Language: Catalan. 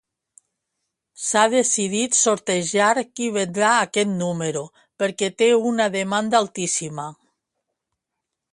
S'ha decidit sortejar qui vendrà aquest número perquè té una demanda altíssima.